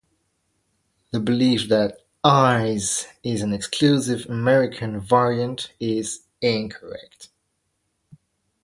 The belief that "-ize" is an exclusively American variant is incorrect.